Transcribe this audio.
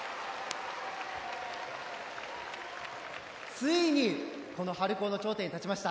ついにこの春高の頂点に立ちました。